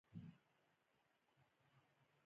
بین سټوکس یو غوره آل راونډر دئ.